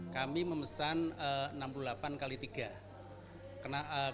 kami memesan enam puluh delapan x tiga